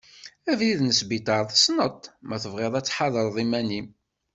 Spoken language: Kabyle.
Abrid n Sbiṭer tesneḍ-t, ma tebɣiḍ ad tḥadreḍ iman-im.